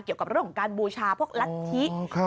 เกี่ยวกับเรื่องการบูชาพวกลักษณีย์